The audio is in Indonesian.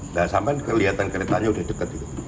nah sampai kelihatan keretanya udah deket gitu